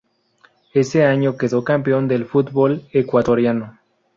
Ese año quedó campeón del fútbol ecuatoriano.